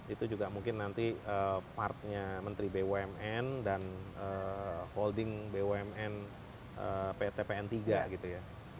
itu juga mungkin nanti partnya menteri bumn dan holding bumn pt pn tiga gitu ya